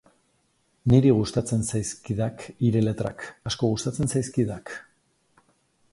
Niri gustatzen zaizkidak hire letrak, asko gustatzen zaizkidak.